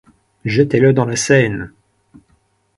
Jetez-le dans la Seine !